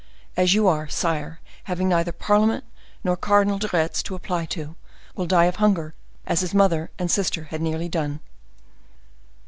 as you are, sire having neither parliament nor Cardinal de Retz to apply to, will die of hunger, as his mother and sister had nearly done."